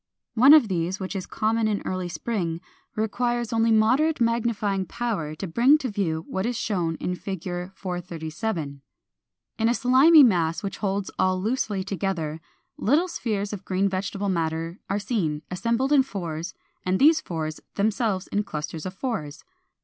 One of these, which is common in early spring, requires only moderate magnifying power to bring to view what is shown in Fig. 437. In a slimy mass which holds all loosely together, little spheres of green vegetable matter are seen, assembled in fours, and these fours themselves in clusters of fours.